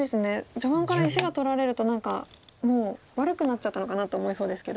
序盤から石が取られると何かもう悪くなっちゃったのかなと思いそうですけど。